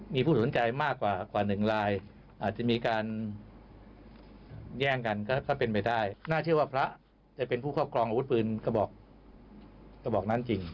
มีผู้สนใจมากกว่าหนึ่งลายอาจจะมีการแย่งกันก็เป็นไปได้น่าเชื่อว่าพระจะเป็นผู้ครอบครองอาวุธปืนกระบอกกระบอกนั้นจริง